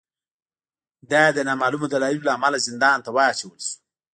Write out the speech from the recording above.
دای د نامعلومو دلایلو له امله زندان ته واچول شو.